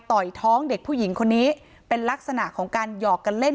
ต่อยท้องเด็กผู้หญิงคนนี้เป็นลักษณะของการหยอกกันเล่น